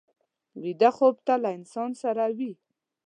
ویده خوب تل له انسان سره وي